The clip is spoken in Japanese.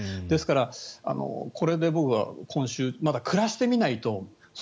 ですから、これで僕は今週まだ暮らしてみないと。